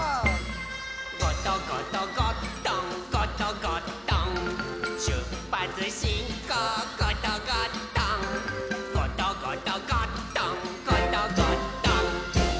「ゴトゴトゴットンゴトゴットン」「しゅっぱつしんこうゴトゴットン」「ゴトゴトゴットンゴトゴットン」